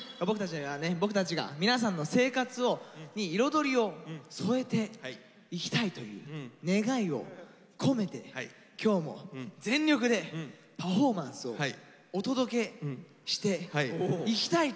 僕たちが皆さんの生活に彩りを添えていきたいという願いを込めて今日も全力でパフォーマンスをお届けしていきたいと思っています。